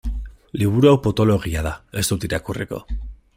Liburu hau potoloegia da, ez dut irakurriko.